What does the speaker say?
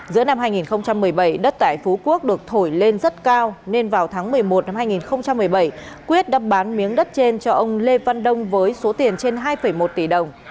giữa năm hai nghìn một mươi bảy đất tại phú quốc được thổi lên rất cao nên vào tháng một mươi một năm hai nghìn một mươi bảy quyết đã bán miếng đất trên cho ông lê văn đông với số tiền trên hai một tỷ đồng